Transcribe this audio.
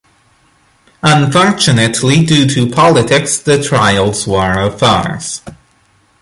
Unfortunately due to politics the trials were a farce.